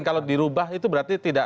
dan kalau dirubah itu berarti